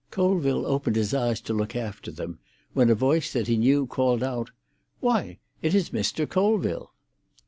Colville opened his eyes to look after them, when a voice that he knew called out, "Why, it is Mr. Colville!"